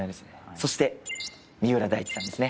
そして三浦大知さんですね。